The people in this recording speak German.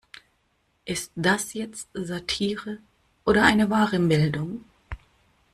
Ist das jetzt Satire oder eine wahre Meldung?